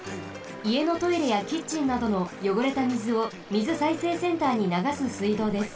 いえのトイレやキッチンなどのよごれたみずをみずさいせいセンターにながすすいどうです。